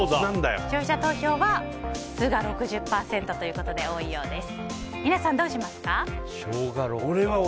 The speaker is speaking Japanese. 視聴者投票は酢が６０％で多いようです。